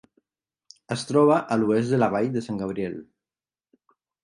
Es troba a l'oest de la vall de Sant Gabriel.